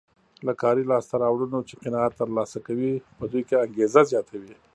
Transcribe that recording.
له کاري لاسته راوړنو چې قناعت ترلاسه کوي په دوی کې انګېزه زیاتوي.